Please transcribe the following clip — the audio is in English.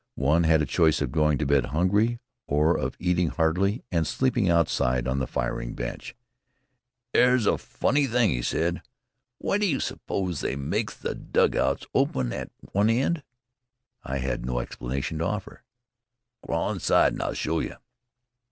One had a choice of going to bed hungry or of eating heartily and sleeping outside on the firing bench. "'Ere's a funny thing," he said. "W'y do you suppose they makes the dugouts open at one end?" I had no explanation to offer. "Crawl inside an' I'll show you."